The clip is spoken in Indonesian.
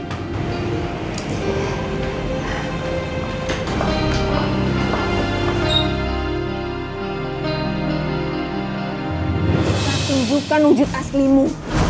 aku bukan wujud aslimu